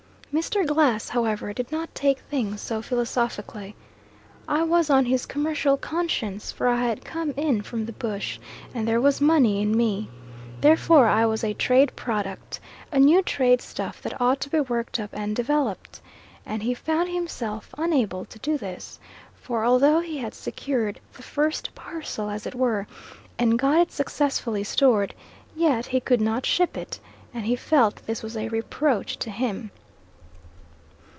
Mr. Glass, however, did not take things so philosophically. I was on his commercial conscience, for I had come in from the bush and there was money in me. Therefore I was a trade product a new trade stuff that ought to be worked up and developed; and he found himself unable to do this, for although he had secured the first parcel, as it were, and got it successfully stored, yet he could not ship it, and he felt this was a reproach to him.